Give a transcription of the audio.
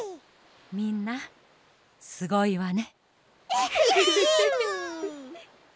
みんなすごいわね。